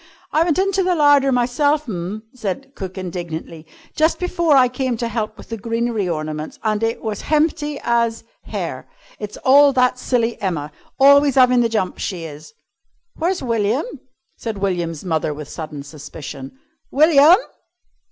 "I went into the larder myself 'm," said cook indignantly, "just before I came in to 'elp with the greenery ornaments, and it was hempty as hair. It's all that silly Emma! Always 'avin' the jumps, she is " "Where's William?" said William's mother with sudden suspicion. "William!"